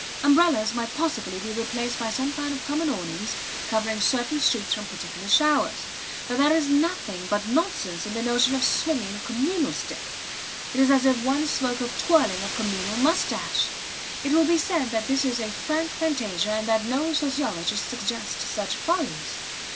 Umbrellas might possibly be replaced by some kind of common awnings covering certain streets from particular showers. But there is nothing but nonsense in the notion of swinging a communal stick; it is as if one spoke of twirling a communal mustache. It will be said that this is a frank fantasia and that no sociologists suggest such follies.